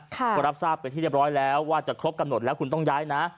ก็รับทราบเป็นที่เรียบร้อยแล้วว่าจะครบกำหนดแล้วคุณต้องย้ายนะ